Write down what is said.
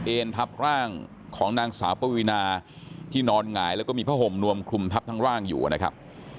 ทับร่างของนางสาวปวีนาที่นอนหงายแล้วก็มีผ้าห่มนวมคลุมทับทั้งร่างอยู่นะครับ